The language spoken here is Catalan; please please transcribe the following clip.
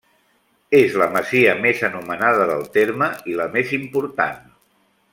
És la masia més anomenada del terme i la més important.